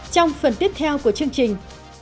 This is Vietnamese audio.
trong phần tiếp theo của chương trình